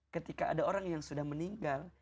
ketika ada orang yang sudah meninggal